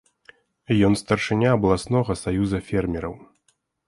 Ён старшыня абласнога саюза фермераў.